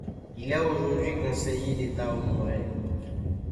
Il est aujourd'hui conseiller d'État honoraire.